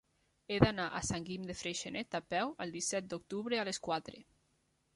He d'anar a Sant Guim de Freixenet a peu el disset d'octubre a les quatre.